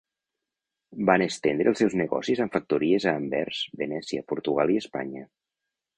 Van estendre els seus negocis amb factories a Anvers, Venècia, Portugal i Espanya.